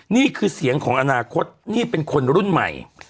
นี่คือเสียงของอนาคตนี่เป็นคนรุ่นใหม่